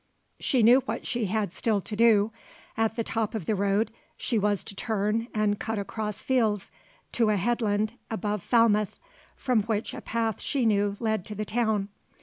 She knew what she had still to do. At the top of the road she was to turn and cut across fields to a headland above Falmouth from which a path she knew led to the town.